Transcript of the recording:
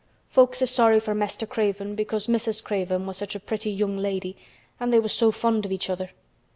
Folks is sorry for Mester Craven because Mrs. Craven was such a pretty young lady an' they was so fond of each other.